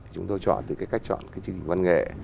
chúng tôi chọn từ cái cách chọn cái chương trình văn nghệ